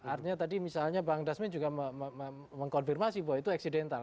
artinya tadi misalnya bang dasmin juga mengkonfirmasi bahwa itu eksidental